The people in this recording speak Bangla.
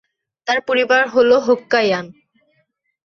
তার পরিবার হল হোক্কাইয়ান।